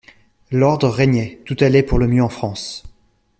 L'ordre régnait, tout allait pour le mieux en France.